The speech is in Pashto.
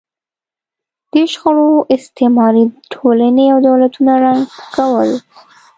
دې شخړو استعماري ټولنې او دولتونه ړنګول.